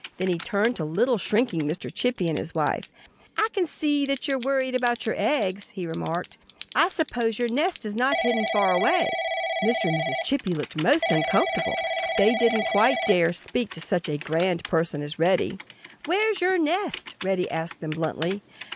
Then he turned to little, shrinking Mr. Chippy and his wife. "I can see that you're worried about your eggs," he remarked. "I suppose your nest is hidden not far away." Mr. and Mrs. Chippy looked most uncomfortable. They didn't quite dare speak to such a grand person as Reddy. "Where's your nest?" Reddy asked them bluntly.